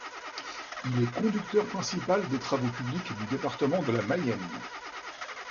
Il est conducteur principal des travaux publics du département de la Mayenne.